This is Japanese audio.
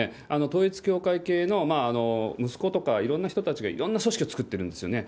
統一教会系の息子とかいろんな人たちが、いろんな組織を作ってるんですよね。